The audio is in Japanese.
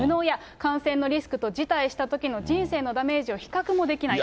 感染のリスクと辞退したときの人生のダメージの比較もできないと。